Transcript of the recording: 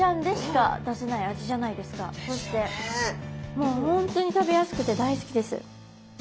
もう本当に食べやすくて大好きです。